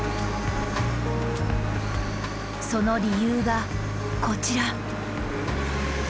その理由がこちら。